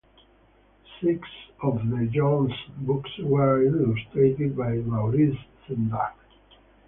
Six of De Jong's books were illustrated by Maurice Sendak.